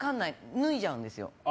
脱いじゃうんですよ。